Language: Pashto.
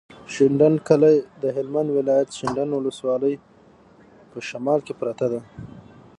د شینډنډ کلی د هلمند ولایت، شینډنډ ولسوالي په شمال کې پروت دی.